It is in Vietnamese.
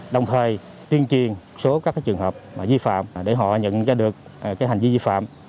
đồng thời tuyên truyền số các trường hợp di phạm để họ nhận ra được hành vi di phạm